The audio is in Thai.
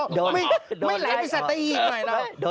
โหโหโห